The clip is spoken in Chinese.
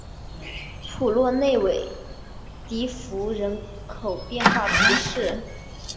普洛内韦迪福人口变化图示